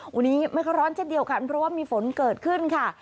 วันนี้ไม่ค่อยร้อนเช่นเดียวกันเพราะว่ามีฝนเกิดขึ้นค่ะ